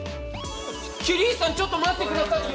桐石さんちょっと待ってくださいよ！